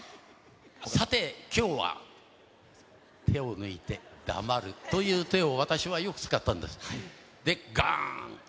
さてきょうは手を抜いて黙るという手を、私はよく使ったんです。